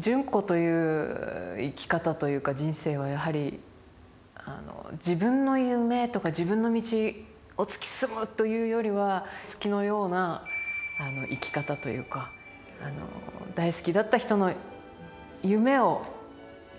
純子という生き方というか人生はやはり自分の夢とか自分の道を突き進むというよりは月のような生き方というかあの大好きだった人の夢を自分のこととして追いかける。